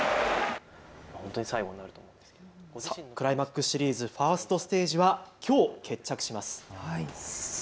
クライマックスシリーズ、ファーストステージは、きょう決着します。